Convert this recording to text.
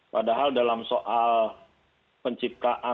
padahal dalam soal penciptaan